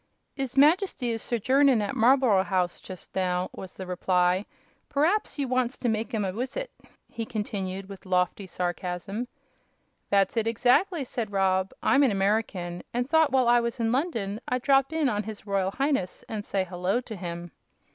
"'Is Majesty is sojournin' at Marlb'ro 'Ouse, just now," was the reply. "Per'aps you wants to make 'im a wissit," he continued, with lofty sarcasm. "That's it, exactly," said Rob. "I'm an American, and thought while I was in London I'd drop in on His Royal Highness and say 'hello' to him."